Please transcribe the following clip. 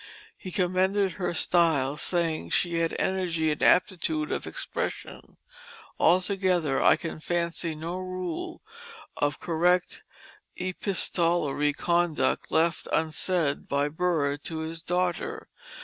He commended her style, saying she had energy and aptitude of expression; altogether I can fancy no rule of correct epistolary conduct left unsaid by Burr to his daughter.